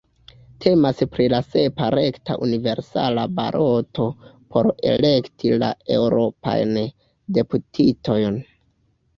Temas pri la sepa rekta universala baloto por elekti la eŭropajn deputitojn.